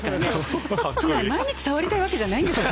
そんなね毎日触りたいわけじゃないんですよ